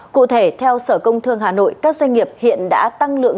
cụ thể theo sở công thương hà nội các doanh nghiệp hiện đã tăng lượng